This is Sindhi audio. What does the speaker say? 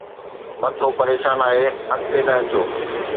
مٿو پريشان آهي، اڳتي نه اچو